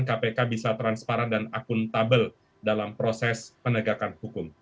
kpk bisa transparan dan akuntabel dalam proses penegakan hukum